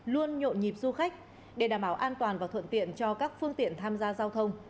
luôn nhộn nhịp du khách để đảm bảo an toàn và thuận tiện cho các phương tiện tham gia giao thông